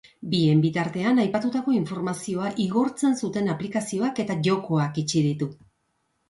Bien bitartean, aipatutako informazioa igortzen zuten aplikazioak eta jokoak itxi ditu.